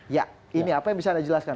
ya ini apa yang bisa anda jelaskan